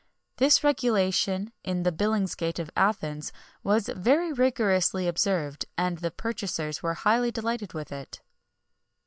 [XXI 12] This regulation in the "Billingsgate" of Athens was very rigorously observed, and the purchasers were highly delighted with it.